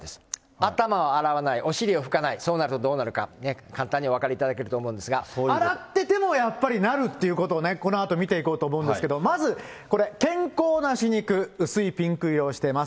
頭を洗わない、お尻を拭かない、そうなるとどうなるか、簡単にお洗っててもやっぱりなるっていうことを、このあと、見ていこうと思うんですけれども、まずこれ、健康な歯肉、薄いピンク色をしています。